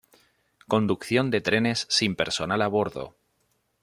Conducción de trenes sin personal a bordo.